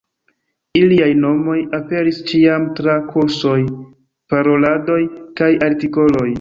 Iliaj nomoj aperis ĉiam tra kursoj, paroladoj kaj artikoloj.